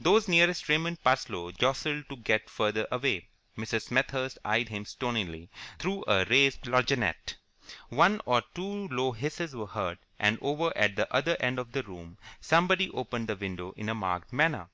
Those nearest Raymond Parsloe jostled to get further away. Mrs. Smethurst eyed him stonily through a raised lorgnette. One or two low hisses were heard, and over at the other end of the room somebody opened the window in a marked manner.